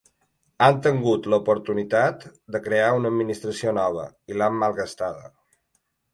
Han tingut l’oportunitat de crear una administració nova i l’han malgastada.